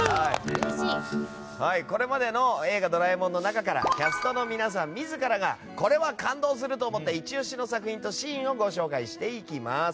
これまでの「映画ドラえもん」の中からキャストの皆さん自らがこれは感動すると思ったイチ押しの作品とシーンをご紹介していきます。